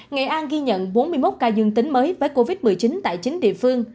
nghệ an ghi nhận bốn mươi một ca dương tính mới với covid một mươi chín tại chín địa phương